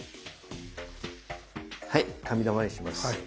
はい紙玉にします。